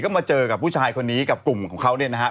ก็มาเจอกับผู้ชายคนนี้กับกลุ่มของเขาเนี่ยนะฮะ